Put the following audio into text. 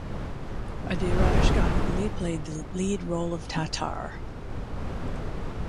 Adhiraj Ganguly played the lead role of Tatar.